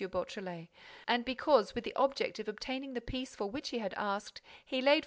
Beautrelet and because, with the object of obtaining the peace for which he had asked, he laid for M.